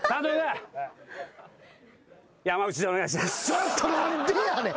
ちょっと何でやねん。